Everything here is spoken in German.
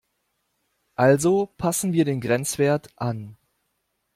Also passen wir den Grenzwert an.